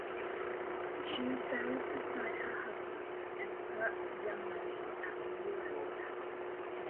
She is buried beside her husband, Emperor Yunghui at the Yureung.